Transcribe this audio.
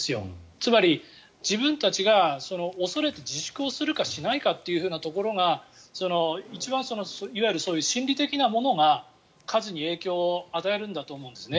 つまり、自分たちが恐れて自粛をするかしないかというところが一番、いわゆる心理的なものが数に影響を与えるんだと思うんですね。